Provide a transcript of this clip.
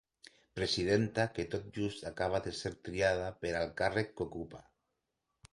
Presidenta que tot just acaba de ser triada per al càrrec que ocupa.